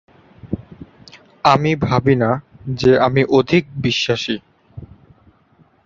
আমি ভাবি না যে আমি অধিক-বিশ্বাসী।